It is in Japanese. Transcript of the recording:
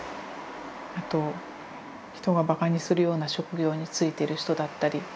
あと人がバカにするような職業に就いてる人だったり。